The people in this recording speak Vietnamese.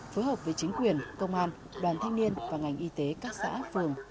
phối hợp với chính quyền công an đoàn thanh niên và ngành y tế các xã phường